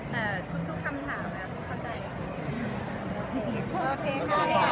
แต่ทุกคำถามแอฟเข้าใจ